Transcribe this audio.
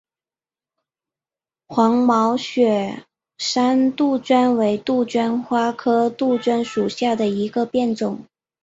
黄毛雪山杜鹃为杜鹃花科杜鹃属下的一个变种。